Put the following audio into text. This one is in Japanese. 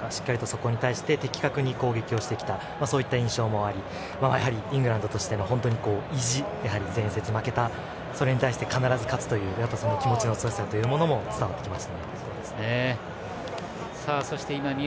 それに対して攻撃してきたそういった印象もありやはりイングランドとしても意地前節、負けたそれに対して、必ず勝つというその気持ちの強さも伝わりました。